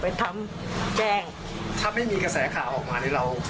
ไปทำแจ้งถ้าไม่มีกระแสขาออกมาในเรา